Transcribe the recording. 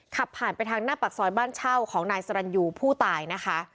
ขับผ่านไปทางหน้าปากซอยบ้านเช่าของนายสรรยูผู้ตายนะคะ